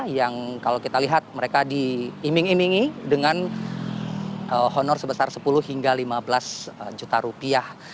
yang kalau kita lihat mereka diiming imingi dengan honor sebesar sepuluh hingga lima belas juta rupiah